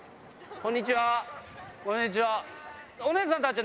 こんにちは。